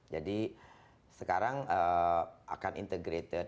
jadi sekarang akan integrated